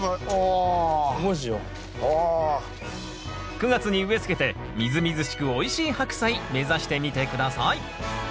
９月に植え付けてみずみずしくおいしいハクサイ目指してみて下さい！